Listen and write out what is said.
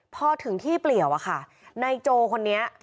พอถึงที่เปลี่ยวอะค่ะนายโจคนนี้